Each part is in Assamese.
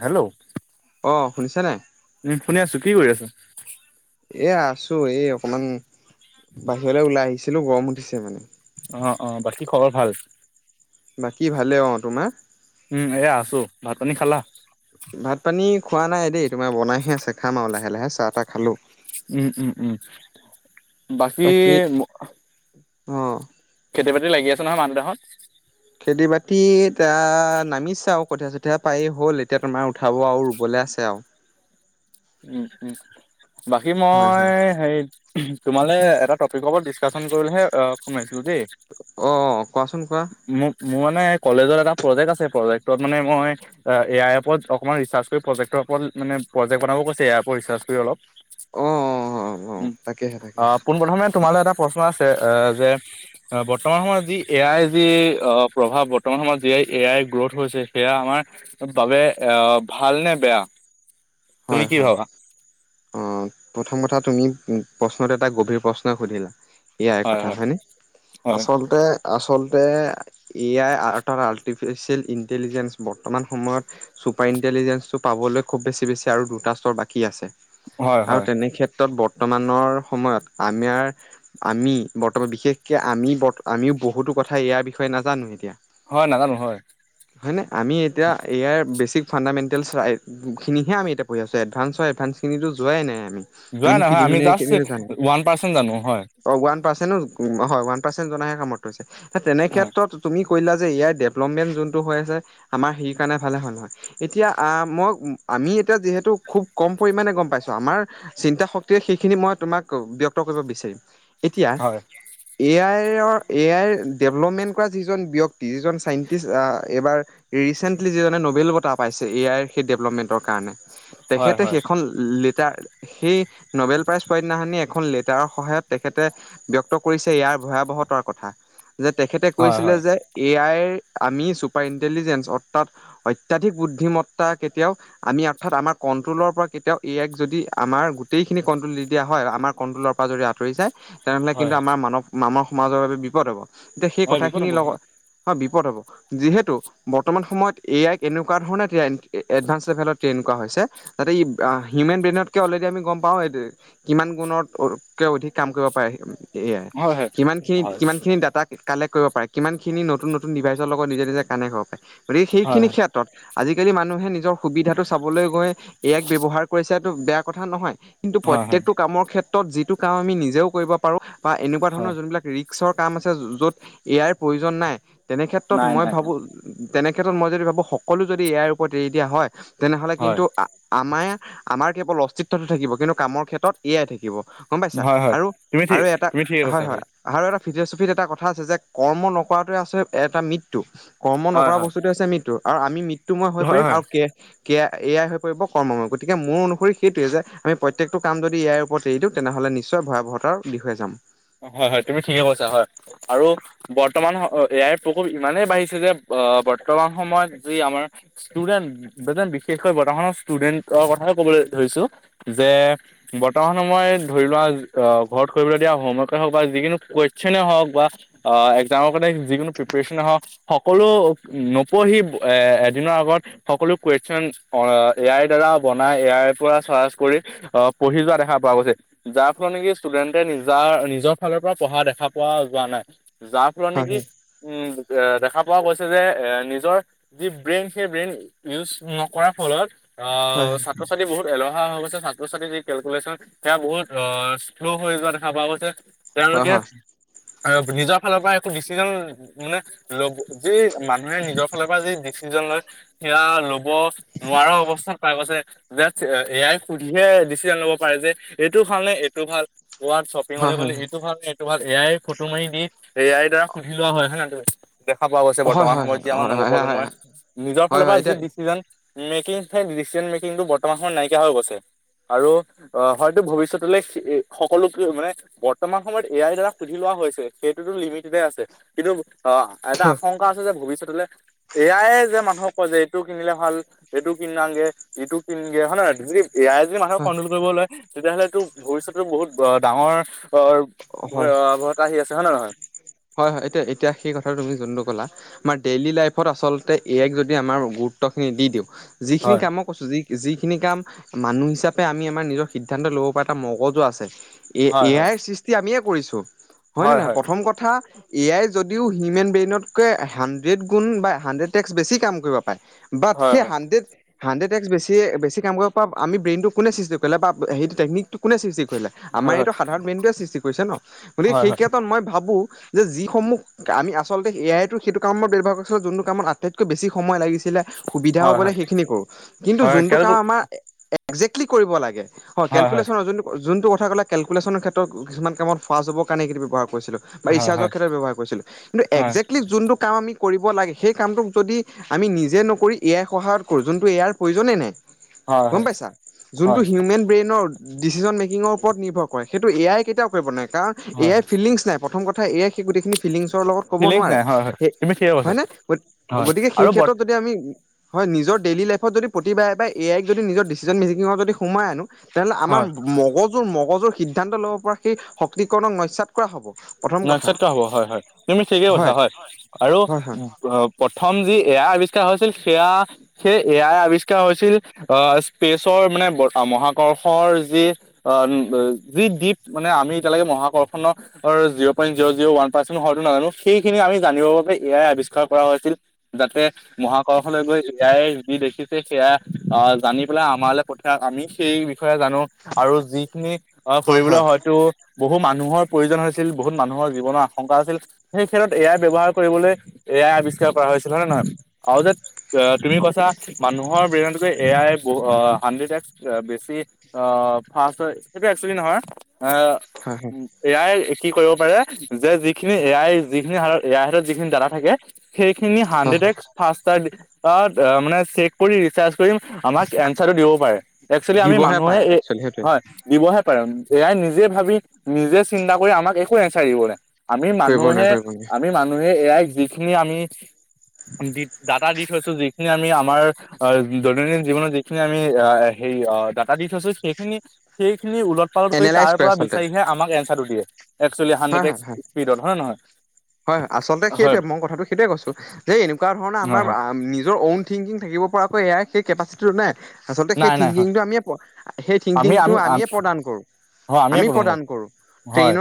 হেল্ল' অ', শুনিছানাই? উম শুনি আছো, কি কৰি আছা? এ, আছো এই অকণমান বাহিৰলৈ ওলাই আহিছিলো গৰম উঠিছে মানে। অ', অ', বাকী খবৰ ভাল? বাকী ভালে অ, তোমাৰ? উম, এয়া আছো ভাত পানী খালা? ভাত পানী খোৱা নাই দেই তোমাৰ বনাইহে আছে খাম আৰু লাহে লাহে চাহ তাহ খালো উম, উম, উম, বাকী অ খেতি-বাতি লাগি আছে নহয় মানুহ দেহাহণ। খেতি বাতিত আ, নামিছা আৰু কঠীয়া চঠীয়া পায়ে হ'ল এতিয়া তোমাৰ উঠাব আৰু ৰুব লে লে আছে আৰু। উ, উম, বাকী হয় হয় মই হে, তোমালে এটা টপিকৰ ওপৰত ডিচকাচন কৰিলেহে এ, সোমাইছো। [unintelligible] অ কোৱাচোন কোৱা মোৰ মানে কলেজৰ এটা প্ৰজেক্ট আছে প্ৰজেক্টত মানে মই এ, এ আই ৰ ওপৰত অকণমান ৰিচাৰ্চ কৰি প্ৰজেক্টৰ মানে প্ৰেক্ট বনাব কৈছে এ আইৰ ওপৰত ৰিচাৰ্চ কৰি অলপ। অ অ অ উ, তাকেহে আহ তাকেহে পোনপ্ৰথমে তোমালে এটা প্ৰশ্ন আছে এ, যে বৰ্তমান সময়ত যি এ আইৰ যি প্ৰভাৱ বৰ্তমান সময়ত যি এ আই গ্ৰথ হৈছে সেয়া আমাৰ বাবে আহ ভাল নে বেয়া? তুমি হয়, কি হয়, ভাবা অঁ, প্ৰথম কথা তুমি প্ৰশ্নটো এটা গভীৰ প্ৰশ্নই সুধিলা এ আইৰ হয় কথা হয় হয়নে? হয় আচলতে আচলতে এ আই [unintelligible] আৰ্টিফিচিয়েল ইণ্টেলিজেঞ্চ বৰ্তমান সময়ত চুপাৰণ্টিজেঞ্চটো পাবলৈ খুব বেছি বেছি আৰু দুটা স্তৰ বাকী আছে হয় আৰু হয় তেনেক্ষেত্ৰত বৰ বৰ্তমানৰ সময়ত আমাৰ আমি বৰ্তমান বিশেষকৈ আমি ব আমিও বহুতো কথা এয়াইৰ বিষয়ে নাজানো এতিয়া হয় নাজানো হয় হয়নে? আমি এতিয়া আইৰ বেচি ফাণ্ডামেণ্টেলছ ৰাট খিনিহে আমি [unintelligible] ছো এডভাঞ্চৰ এডভানঞ্চখিনিতো যোৱাই নাই আমি যোৱা মেইন নহয় আমি পিলিমিনাৰী জাষ্ট খিনিহে জানো ওৱান পাৰ্চেন্ট জানো হয় অ, ওৱান পাৰচেন্ট [unintelligible] হয়, ওৱান পাৰচেন্ট জনাহে সামৰ্থ হৈছে তেনে হয় ক্ষেত্ৰত তুমি [unintelligible] দিলা যে এ আইৰ ডেভলপমেন্ট যোনটো হৈ আছে আমাৰ [unintelligible] এতিয়া মই আমি এতিয়া যিহেতু খুব কম পৰিমাণে গম পাইছো আমাৰ চিন্তা শক্তিয়ে সেইখিনি মই তোমাক ব্যক্ত কৰিব বিচা এতিয়া, হয় এ আই ৰ এ আইৰ ডেভেলপমেণ্ট কৰা যিজন ব্যক্তি যিজন চাইনটিষ্ট এইবাৰ ৰিচেন্টলি যিজনে নোবেল বটা পাইছে এ আইৰ সেই ডেভলপমেন্টৰ কাৰণে হয় তেখেতে হয় সেইখন লেটাৰ সেই নবেল প্ৰাইজ পোৱা দিনাখনি এখন লেটাৰৰ সহায়ত তেখেতে ব্যক্ত কৰিছে ইয়াৰ ভয়া য়তাৰ কথা যে, তেখেতে হয় হয় কৈছিলে যে এ আইৰ ৰ আমি চুপাৰ ইন্টেলিজেঞ্চ অৰ্থাৎ অত্যাধিক বুদ্ধিমত্তা কেতিয়াও আমি অৰ্থাৎ আমাৰ কণ্ট্ৰ'লৰ পৰা কেতিয়াও এ আই ক যদি আমাৰ গোটেইখিনি কণ্ট্ৰল দি দিয়া হয় আমাৰ কণ্ট্ৰলৰ পৰা যদি আঁত ৰি যায় তেনেহলে হয় হয় কিন্তু আমাৰ মানৱ মানৱ সমাজৰ বাবে বিপদ হ'ব, এতিয়া সেই হয় বিপদ কথাখিনিৰ হ'ব লগত হয়, বিপদ হ'ব যিহেতু বৰ্তমান সময়ত এ আইক এনেকুৱা ধৰণে এডভাঞ্চ লেভেলত ট্ৰেইন কৰা হৈছে যাতে ই হিউমেন ব্ৰেইনতকে অলৰেডি আমি গম পাওঁ এই কিমান গুণত [unintelligible] [unintelligible] অধিক কাম কৰিব পাৰে এ আয়ে হয় হয় সিমানখিনি হয় কিমানখিনি ডাটা কালেক্ট কৰিব পাৰে কিমান খিনি নতুন নতুন ডিভাইচৰ লগত নিজে নিজে কানেক্ট হব পাৰে গতিকে হয় সেইখিনি ক্ষেত্ৰত আজিকালি মানুহে নিজৰ সুবিধাটো চাবলৈ গৈ এ আইক ব্যয়ৱহাৰ কৰিছে এটো বেয়া কথা নহয় কিন্তু হয় হয় প্ৰত্যেকটো কামৰ ক্ষেত্ৰ ত যিটো কাম আমি নিজেও কৰিব পাৰো বা এনেকুৱা হয় ধৰণৰ যোনবিলাক ৰিক্সৰ কাম আছে য'ত এ আইৰ প্ৰয়োজন নাই তেনে ক্ষেত্ৰত নাই মই নাই ভাবো তেনেক্ষেত্ৰত মই যদি ভাবোঁ সকলো যদি এ আইৰ ওপৰত এৰি দিয়া হয় তেনেহ'লে হয় কিন্তু আমাৰ আ আমাৰ আমাৰ কেৱল অস্তিত্বটো থাকিব কিন্তু কামৰ ক্ষেত্ৰত এয়াই থাকিব। গম পাইছা হয় হয় আৰু তুমি ঠিক আৰু এটা তুমি ঠিকে হয়, কৈছা হয়, আৰু এটা ফিল'চফিত এটা কথা আছে যে কৰ্ম নকৰাটোৱে আচল এটা মৃত্যু কৰ্ম হয় নকৰা হয় বস্তুটোৱে হৈছে মৃত্যু। আৰু আমি মৃত্যুময় হৈ হয় পাৰিম হয় আৰু এ আই হৈ পৰিব কৰ্মময় গতিকে মোৰ অনুসৰি সেইটোৱেই যে, আমি প্ৰত্যেকটো কাম যদি এয়াইৰ ওপৰত এৰি দিওঁ তেনেহ'লে নিশ্চয় ভয়াৱহতাৰ বিষয়ে যাম। হয়, হয়, তুমি ঠিকে কৈছা হয়। আৰু বৰ্তমান এ আইৰ প্ৰকোপ ইমানেই বাঢ়িছে যে আহ বৰ্তমান সময়ত যি আমাৰ ষ্টুডেন্ট যেনে বিশেষকৈ বৰ্তমানৰ ষ্টুডেন্টৰ কথা কবলৈ ধৰিছো যে বৰ্তমান সময় ধৰি লোৱা অ, ঘৰত কৰিবলৈ দিয়া হমৱৰ্ক- বা যোকোনো কুৱেচনে হওক বা একজামৰ যিকোনো প্ৰিপেৰেচন সকলো নপঢ়ি এদিনৰ আগত সকলো কুৱেশন এ আইৰ দাৰা বনাই পৰা চাৰ্চ কৰি আহ পঢ়ি যোৱা দেখা পোৱা গৈছে যাৰ ফলত নেকি ষ্টুডেণ্টে নিজা নিজৰ ফালৰ পৰা পঢ়া দেখা পোৱা যোৱা নাই, যাৰ ফলত নেকি হয় উম দেখা পোৱা গৈছে যে নিজৰ যি ব্ৰেইন সেই ব্ৰেইন ইউজ নকৰাৰ ফলত অ, হয় ছাত্ৰ-ছাত্ৰী বহুত এলে হুৱা হৈ গৈছে ছাত্ৰ-ছাত্ৰীৰ যি কেলকুলেশ্যন সেয়া বহুত অ শ্ল' হৈ যোৱা দেখা পোৱা গৈছে। হয় তেওঁলোকে হয়। আ, নিজৰ ফালৰ পৰা একো ডিচিজন মানে ল'ব যি মানুহে নিজৰ ফালৰ পৰা যি ডিচিজন লয় সেয়া লব ব নোৱাৰা অৱস্থাত পাই গৈছে! ডেটছ এয়াই সুধিহে ডিচিঅন ল'ব পাৰে যে, এইটো ভাল নে এইটো ভাল। ক'ৱাত শ্বপিং অলে হয় গ'লে হয় এইটো ভাল নে এইটো ভাল, এয়াই ফটো মাৰি দি এ আই দাৰা সুধি লোৱা হয় নহয়? দেখা পোৱা গৈছে হয় হয় হয় বৰ্তমান সময়ত যি আমাৰ হয় হয় হয় হয় হয় হয় নৱপ্ৰজন্মই, নিজৰ হয় ফালৰ পৰা হয় যি এতিয়া ডিচিজন মেকিং, সেই ডিচচন মেকিংটো বৰ্তমান সময়ত নাইকিয়া হৈ গৈছে। আৰু, অ হয়তো ভৱিষ্যতলৈ সে সকলো কি মানে, বৰত তমা সময়ত এ আই দ্বাৰা সুধি লোৱা হৈছে। সেইটোতো লিমিটেডে আছে, কিন্তু অ', এটা আশংকা আছে যে ভৱিষ্যতলৈ, এয়ায়ে যে মানুহক কয় যে এইটোক কিনিলে ভাল। এইটো কিনাগে ইটো কিনগে হয় নে নহয় যদি এয়াই যদি মানুহক হয় কন্ট্ৰল কৰিব লয় তেতিয়াহ'লেটো ভৱিষ্যতেটো বহুত ব ডাঙৰ হয় ভয় হয় ভয়বতা আহি আছে হয় নে নহয়? হয় হয়। এতিয়া-এতিয়া সেই কথাটো তুমি যোনটো ক'লা, আমাৰ ডেইলি লাইফত আচলতে এ আইক যদি আমাৰ গো ত্বখিনি দি দিওঁ যিখিনি হয় কাম ম ক'ছো যি যিসিনি কাম, মানু হিচাপে আমি আমাৰ নিজৰ সিদ্ধান্ত ল'ব পৰা এটা মগজু আছে। এ হয় এ আইৰ সৃষ্টি আমিয়ে কৰিছোঁ, হয়নে হয় নহয়? প্ৰথম কথা এয়াই যদিও হিউমেন ব্ৰেইনতকৈ হাড্ৰেড গুণ বা হাড্ৰেড টেক্স বেছি কাম কইব প পায় বাট, হয় সেই হয় হাণ্ডেড হাণ্ডেড টেক্স বেছিয়ে বেছি কাম কইব পা আমি ব্ৰেইনটো কোনে সৃষ্টি কইলে, বা হেইটো টেকনিকটো কোনে সৃষ্টি কৰিলে। আমাৰ হয় হয় হয় এইটো সাধাৰণ বেইনটোৱে সৃষ্টি কৰিছে ন! গতিকে হয় সেই কেতত মই ভাবো যে যিসমূহ আমি আচলতে এ আইতো সেইটো কামত ব্যৱহাৰ কৰিছো যোনটো কামত আটাইতকৈ বেছি সময় লাগিছি সুবিধা হয় হ'বলে হয় সেইখিনি কৰো, কিন্তু হয় হয় যোনটো হয় কাম আমাৰ এ একজেক্টলি কৰিব লাগে। হ, কেলকুলেশ্যন যোনটো যোনটো কথা ক'লে কেলকুলেশ্যন ক্ষেত্ৰত কিছুমান কামত ফাচ হ'ব কাৰণে সেসিনি ব্যৱহাৰ ক ৰিছিলোঁ বা হয় হয় হয় হয় ৰিচাৰজ হয় ক্ষেতত ব্যৱহাৰ কৰিছিলো। কিন্তু একজেকলি যোনটো কাম আমি কৰিব লাগে, সেই কামটোক যদি আমি নিজে নকৰি এয়াই সহায়ত কৰোঁ, যোনটো এ আইৰ প্ৰয়োজনেই নাই! হয় হয় হয় হয় হয় [unintelligible] ডিচিশ্যন মেকিঙৰ ওপৰত নিৰ্ভৰ কৰে, সেইটো এ আই কেতিয়াও কৰিব নোৱাৰে কাৰণ এ হয় আই ফিলিংছ নাই, প্ৰথম কথা এ আই সেই গোটেইখিনি ফিলিংচ তৰ লগত ক'ব ফিলিংছ নোৱাৰে, নাই হয় হয় হে, তুমি ঠিকে কৈছা হয় নে? হয় গতিকে সেই আৰু বৰ্ত ক্ষেত্ৰত যদি আমি হয়। নিজৰ ডেইলী লাইফত যদি প্ৰতিবায়ে বায়ে এ আইক যদি নিজৰ ডিচিজন মেযিকিঙ যদি সোমাই আনো তেনেলে হয় আমাৰ মগজুৰ-মগজুৰ সিদ্ধান্ত লব পৰা সেই শক্তিকণক নস্যাত কৰা হব। প্ৰথম কথা। নক্ষত হব হয় হয় তুমি ঠিকে কৈছা হয় আৰু হয় হয় প্ৰথম যি এ আই আৱিষ্কাৰ হৈছিল সেয়া সেই এয়াই আৱিষ্কা হৈছিল অ'স্পেচৰ মানে বৰ আও মহাকৰ্ষৰ যি আ ব, যি দ্বীপ, মানে আমি এতিয়ালেকে মহাকৰ্ষণ অৰ zero point zero zero one percent হয়তো নাজানো। সেইসিনি আমি জানিবৰ বাবে এয়াই আৱিষ্কাৰ কৰা হৈছিল, যাতে মহাকৰশলৈ গৈ এয়াইয়ে যি দেসিছে, সেয়া আহ জানি পেলা আমালৈ পঠিয়াক। আমি সেই ষয়ে জানো আৰু যিসিনি অ হয় কৰিবলৈ হয় হয়তো বহু মানুহৰ প্ৰয়োজন হৈছে ছিল, বহুত মানুহৰ জীৱনৰ আশংকা আছিল, হেই সেতত এ আই ব্যৱহাৰ কৰিবলৈ এ আই আৱিষ্কাৰ কৰা হৈছিল। হয় নে নহয়? [inaudible] আউ যে, এ তুমি কৈছা মানুহৰ ব্ৰেইনতকৈ এ আই য়ে ব অ হাণ্ডেড এক্স বেছি অ ফাষ্ট হয় সেইটো একচুৱেলি নহয়। আহ হয় হয় এয়ই কি কৰিব পাৰে যে যিখিনি এয়ই যিসিনি হাৰত এয়াই হাতত যিখিনি দ্বাদা থাকে সেইখিনি হয় হাণ্ডেড হয় এক্স ফাষ্টাৰ্ড তাত, মানে চেক কৰি ৰিছাছ [unintelligible] আমাক এনচাৰটো দিব পাৰে। এক্সুৱেলি আমি দিবহে মানুহে পাৰে একচুৱেলি সেইটোৱে হয়, দিবহে প [unintelligible] নিজে ভাবি নিজে চিন্তা কৰি আমাক একো নচাৰিবলৈ আমি কৰিব মানুহে, নোৱাৰে কৰিব আমি মানুহে এয়াই যিখিনি আমি দি, ডাটা দি [unintelligible] থৈছোঁ। যিখিনি আমি আমাৰ দৈনন্দিন জীৱনত যিখিনি আমি হেৰি অ', দাটা দি থৈছো সেইখিনি, সেইখিনি উলট পালট নোৱাৰে কৰি এনালাইজ তাৰ কৰে পৰা আচলতে বিচাৰিহে আমাক এনঞ্চাৰটো দিয়ে। এক্সুৱেলি হান্দেড হয় হয় এক্স হয়। পীডত হয় ন নহয়? হয়। আচলতে হয় সেইটোৱে ম কথাটো সেইটোৱে কছো যে এনেকুৱা ধৰণে আমাৰ হয় হয় আ নিজৰ অউন থিংকিং থাকিব পৰাকৈ এ আইৰ সেই কেপাচিটিটো নাই। আচলতে সেই নাই নাই হয় থিংকিংটো আমিয়ে পোৱা, সেই আমি থিংকিংটো আমি আমিয়ে প্ৰদান কৰোঁ। হয় আমিয়ে আমি প্ৰথম প্ৰদান কৰো, হয় ট্ৰেইন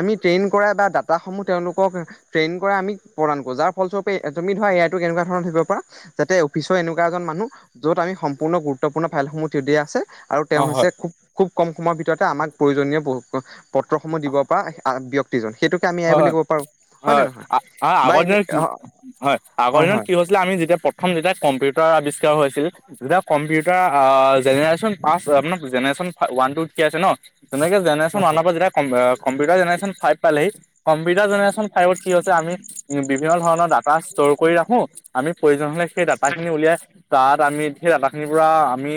আমি ট্ৰেইন কৰা দাতাসমূহ তেওঁলোক [unintelligible] ট্ৰেইন কৰা আমি প্ৰদান কৰো যাৰ ফলস্বৰূপে তুমি ধৰা এ আইটো এনেকুৱা ধৰণৰ ধৰিব পৰা যাতে অফিচৰ এনেকুৱা এজন মানুহ য'ত আমি সম্পূৰ্ণ গুৰুত্বপূৰ্ণ ফাইলসমূহ দি দিয়া আছে আৰু অ তেওঁ হয় হৈছে খুব-খুব কম সময়ৰ ভিতৰতে আমাক প্ৰয়োজনীয় পত্ৰসমূহ দিব পৰা ব্যক্তিজন। সেইটোকে আমি এ আই হয় বুলি কব' পাৰোঁ। নে হয়, নহয়? বা এনে আগতে হয়, আগৰ দিনত কি হৈছিলে আমি যেতিয়া প্ৰথম যেতিয়া [unintelligible] আৱিষ্কাৰ হৈছিল, তেতিয়া কম্পিউটাৰ আহ, জেনেৰেচন আহ, জেনেৰেচন ৱান টু থ্ৰী আছে ন, তেনেকে জেনেৰেচন হয় ৱানৰ হয় পৰা যেতিয়া কম্পিউটাৰ জেনেশ্যন ফাইভ পালেহি কম্পিউটাৰ জেনেৰেচন ফাইভত কি হৈছে আমি, বিভিন্ন ধৰণৰ ডাটা ষ্ট'ৰ কৰি ৰাখো আমি প্ৰয়োজন হৈ সেই দাটা খিনি উলিয়াই তাত আমি সেই দাতা খিনি পৰা আমি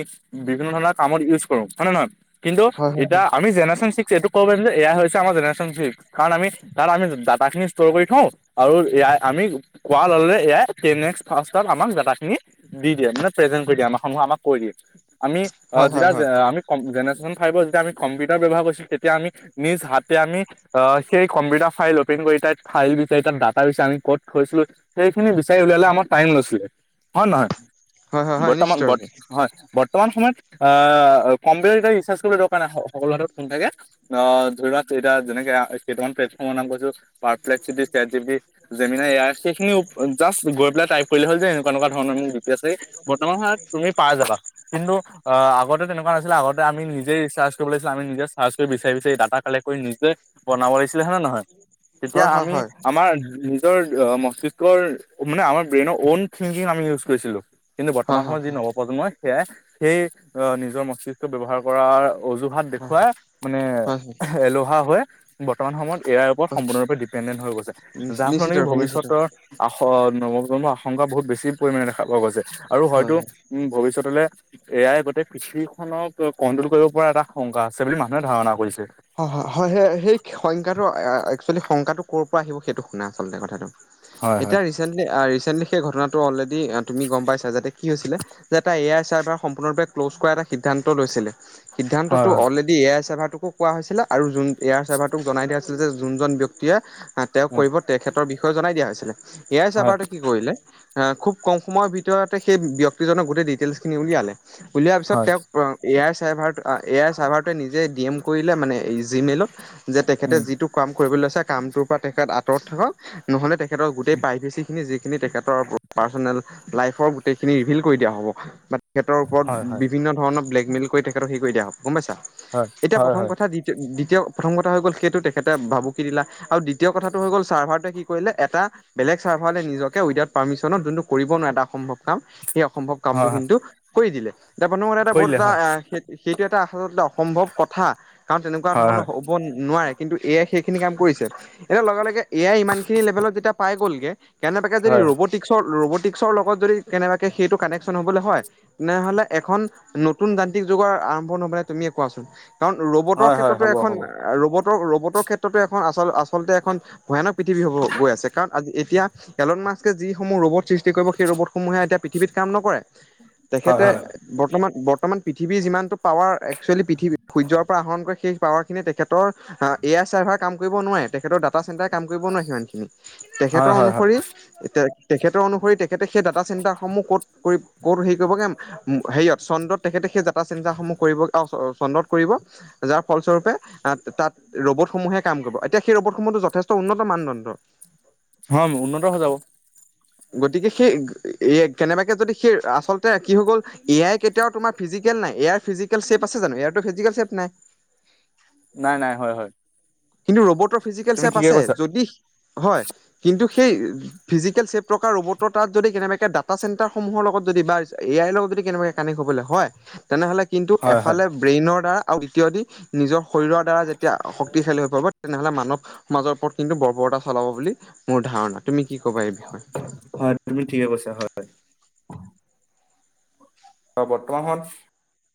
বিভিন্ন ধৰণৰ কামত ইউজ কৰোঁ হয় নে নহয়, কিন্তু হয় হয় এতিয়া আমি জেনেৰেচন চিক্স [unintelligible] এয়া হৈছে আমাৰ জেনেৰেচন চিক্স কাৰণ আমি তাৰ আমি ডাটাখিনি ষ্টৰ কৰি থওঁ, আৰু ইয়াই আমি কোৱা ললে ইয়াই [unintelligible] আমাক যাতা খিনি দি দিয়ে মানে প্ৰেজেনটো দিয়ে আমাৰ সমূহ আমাক কৈ দিয়ে। আমি অ, হয় হয় যেতিয়া হয় [unintelligible] আমি কম যেনে [unintelligible] ফাইভত যেতিয়া আমি কম্পিউটাৰ ব্যৱহাৰ কৰিছো তেতিয়া আমি নিজ হাতে আমি অ, সেই কম্পিউটাৰ ফাইল অপেন কৰি তাত ফাইল বিচাৰি তাত ডাটা বিচাৰি আমি ক'ত থৈছিলো সেইখিনি বিচাৰি উলালে আমাৰ টাইম নাছিলে হয় নে নহয় হয় হয় হয় বৰ্তমান নিশ্চিত বত ৰূপে হয় বত বৰ্তমান সময়ত আহ কম্পিউটাৰ এতিয়া ৰিচাৰ্জ কৰিব দৰকাৰ নাই সকলো হাতত ফোন থাকে অ, ধৰি লোৱা এতিয়া যেনেকে আ কেইটামান প্লেটফৰ্মৰ নাম কৈছো [unintelligible] state G B, Gemini AI সেইখিনি জাষ্ট গৈ পেলাই টাইপ কৰিলে হ'ল যে এনেকুৱা-এনেকুৱা ধৰণৰ [unintelligible] আছে বৰ্তমান হয় তুমি পাই যাবা কিন্তু অ, আগতে তেনেকুৱা নাছিলে আগতে আম নিজেই ৰিচাৰ্চ কৰিব লাগছিলে আমি নিজে চাৰ্চ কৰি বিচাৰি-বিচাৰি ডাটা কালেক্ট কৰি নিজে বনাব লাগিছিলে হয় নে নহয় তেতিয়া হয় হয় আমি হয় আমাৰ নিজৰ মস্তিষ্কৰ মানে আমাৰ ব্ৰেইনৰ ঔন থিংকিং আমি ইউজ কৰিছিলোঁ। কিন্তু হয় বৰ্তমান হয় সময়ত যি নৱপ্ৰজন্মই সেয়াই সেই অ, নিজৰ মস্তিষ্ক ব্যৱহাৰ কৰাৰ অজুহাত হয় দেখুৱাই মানে হয় হয় এলেহুৱা হৈ বৰ্তমান সময়ত এ আই ওপৰত সম্পূৰ্ণৰূপে ডিপেণ্ডেণ্ট হৈ গৈছে যাৰ ফলত নিশ্চিত নেকি ৰূপে নিশ্চিত ভৱিষ্যতৰ ৰূপে আস নৱ জন্মৰ আশংকা বহুত বেছি পৰিমাণে দেখা পোৱা গৈছে আৰু হয়তো হয় উম, ভৱিষ্যতলে এ আই গোটেই কৃষি খনক কন্ট্ৰল কৰিব পৰা এটা শংকা আছে বুলি মানুহে ধাৰণা কৰিছে। হয়-হয়-হয় সেই সংখ্যাটো একচুৱেলি সংকাটো ক'ৰ পৰা আহিব সেইটো শুনা আচলতে কথাটো। হয় হয় এতিয়া ৰিচেণ্টলি, আ ৰিচ চেণ্টলি সেই ঘটনাটো অলৰেডি তুমি গম পাইছাই, তাতে কি হৈছিলে, যে এটা এ আই চাৰ্ভাৰ সম্পৰ্ণৰূপে ক্ল'জ কৰা এটা সিদ্ধান্ত লৈছিলে। হয় সিদ্ধান্তটো হয় অলৰেডি এ আই চাৰ্ভাৰটোকো কোৱা হৈছিলে আৰু জোন এয়াৰ চাৰ্ভাৰটোক জনাই দিয়া হৈছিল যে জোন জন ব্যক্তিয়ে তেওঁক কৰিব তেখেতৰ বিষ সেয়ে জনাই দিয়া হৈছিলে। এ আই হয় চাৰ্ভাৰটোৱে কি কৰিলে খুব কম সময়ৰ ভিতৰতে সেই ব্যক্তিজনৰ গোটেই ডিটেইলচ খিনি উলিয়ালে উলিওৱাৰ পিছত হয়। তেওঁক A I চাৰ্ভাৰটো A I server টোৱে নিজে ডি এম কৰিলে মানে এই জিমেইলত যে, তেখেতে উম, যিটো কাম কৰিবলৈ লৈছে কামটোৰ পৰা তেখেত আঁতৰত থাকক, নহ'লে তেখেতৰ গোটেই উম, প্ৰাইভেচি খিনি যি খিনি তেখেতৰ পাৰচনেল লাইফৰ গোটেইখিনি ৰিভিল কৰি দিয়া হ'ব তেখেতৰ ওপৰত হয়, হয়, বিভিন্ন ধৰণৰ ব্লেকমেইল কৰি, তেখেতক হেৰি কৰি দিয়া হয়, গম পাইছা? হয়, এতিয়া হয়, প্ৰথম হয়, কথা দিতি-দি প্ৰথম কথা হৈ গ'ল সেইটো তেখেতে ভাবুকি দিলা, আৰু দ্বিতীয় কথাটো হৈ গ'ল চাৰ্ভাৰটোৱে কি কৰিলে এটা বেলে চাৰ্ভাৰলে নিজকে উইদআউট পাৰমিছনত যোনটো কৰিব নোৱাৰে [unintelligible] কাম, সেই অসম্ভৱ হয়, কামটো হয়, কিন্তু কৰি দিলে। [unintelligible] এটা কৰি বহুত দিলে এটা হয়, এ-সেই-সেইটো এটা আচলতে অসম্ভৱ কথ কাৰণ তেনেকুৱা হয়, ধৰণৰ হয়, হ'ব নোৱাৰে, কিন্তু এ আই সেই খিনি কাম কৰিছে, এতিয়া লগে, লগে এ য়াই ইমান খিনি লেভেলত যেতিয়া পাই গ'লগে কেনেবাকে যদি হয়, ৰ'বটিকছৰ-ৰ'ব টিকছৰ লগত যদি কেনেবাকৈ সেইটো কানেকশ্যন হ'বলৈ হয়, তেনেহ'লে এখন নতুন যান্ত্ৰিক যুগৰ আৰম্ভ নহ'বনে তুমিয়ে কোৱাচোন? কাৰণ ৰ'বটৰ হয়, হয়, ক্ষেত্ৰতো হ'ব, এখন হ'ব, ৰ'বট ৰ'বটৰ ক্ষেত্ৰতো এখন আচ-আচলতে এখন ভয়ানক পৃথিৱী হ'ব গৈ আছে কাৰণ আজি-এতিয়া এল মাক্সে যিসমূহ ৰ'বত সৃষ্টি কৰিব সেই ৰ'বটসমূহে এতিয়া পৃথিৱীত কাম নকৰে, হয়, তেখেতে হয়, বৰ্তমান, বৰ বৰ্তমান পৃথিৱী যিমানটো পাৱাৰ একচুৱেলি পৃথিৱীৰ সূৰ্য্য পৰা আহৰণ কৰে সেই পাৱাৰ খিনিয়ে তেখেত তৰ আ, এ য়াৰ চাৰ্ভাৰ কাম কৰিব নোৱাৰে, তেখেতৰ ডাটা চেণ্টাৰ কাম কৰিব নোৱাৰে সিমান খিনি হয়, তেখেতৰ হয়, হয়, অনুসৰি, তে-তেখেতৰ অনুসৰি তেখেতে সেই ডাটা চেণ্টাৰসমূহ ক'ত কৰি ক'তো হেৰি কৰিবগে উম, হেৰিয়ত চন্দ্ৰত তেখেতে সেই যাতা চিন্তাসমূহ কৰিব আৰু অ', চন্দ্ৰত কৰিব, যাৰ ফলস্বৰূপে আ, তাত ৰ'বট সমূহে কাম কৰিব, এতিয়া সেই ৰ'বট সমূহ যথেষ্ট উন্নত মানদণ্ড। হম, উন্নত [unintelligible] গতিকে সেই এ, কেনেবাকে যদি সেই আচলতে কি হৈ গ'ল, এ আই কেতিয়াও তোমাৰ ফিজি কেল নাই, ইয়াৰ ফিজিকেল চেপ আছে জানো ইয়াৰটো ফিজিকেল চেপ নাই। নাই, নাই, হয়, হয়। কিন্তু ৰ'বটৰ ফিজিকেল তুমি চেপ ঠিকে আছে, কৈছা, যদি হয় কিন্তু সেই ফিজিকেল চেপ প্ৰকাৰ ৰ'বটৰ তাত যদি কেনেবাকে ডাটা চেন্টাৰ সমূহৰ লগত যদি বা এ আইৰ লগত যদি কেনেবাকৈ কানেক্ট হ'বলৈ হয়। তেনেহ'লে কিন্তু হয়, হয়, এফালে ব্ৰেইনৰ দ্বাৰা আৰু দ্বিতীয় দি নিজৰ শৰীৰৰ দ্বাৰা যেতিয়া শক্তিশালী হৈ পৰিব। তেনেহ'লে মানৱ সমাজৰ ওপৰত কিন্তু বৰ্বৰতা চলাব বুলি মোৰ ধাৰণা, তুমি কি ক'বা এই বিষয়ে? হয়, তুমি ঠিকে কৈছা, হয়। অ', বৰ্তমান সময়ত